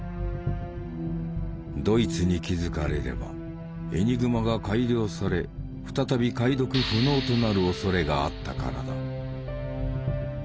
ドイツに気付かれればエニグマが改良され再び解読不能となる恐れがあったからだ。